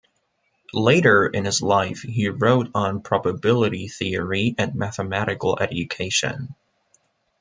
Later in his life he wrote on probability theory and mathematical education.